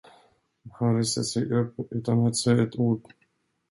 Han reste sig upp, utan att säga ett ord.